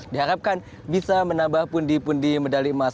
diharapkan bisa menambah pundi pundi medali emas